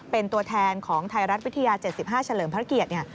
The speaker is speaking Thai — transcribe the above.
เป็นตัวแทนของไทยรัฐวิทยา๗๕เฉลิมพระเกียรติเนี่ย